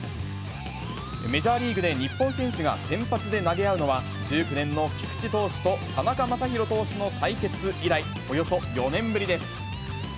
メジャーリーグで日本選手が先発で投げ合うのは、１９年の菊池投手と田中将大投手の対決以来、およそ４年ぶりです。